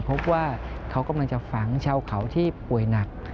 พบว่าเขากำลังจะฝังชาวเขาที่ป่วยหนัก